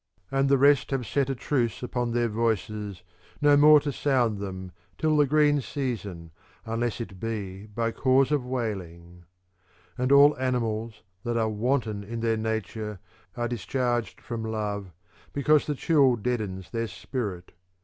THE COMPLEMENT OF ODES 401 And the rest have set a truce upon their voices, no more to sound them till the green season, unless it be by cause of wailing ; And all animals that are wanton In their nature, are discharged from love, because the chill deadens their spirit.